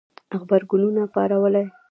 غبرګونونه پارولي